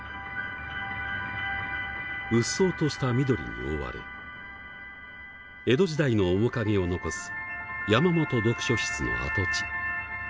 うっそうとした緑に覆われ江戸時代の面影を残す山本読書室の跡地。